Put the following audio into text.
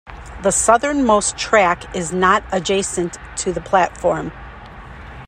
The southern-most track is not adjacent to the platform.